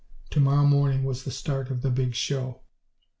To morrow morning was the start of the Big Show!